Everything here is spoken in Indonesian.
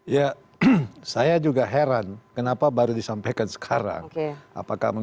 ya saya juga heran kenapa baru disampaikan sekarang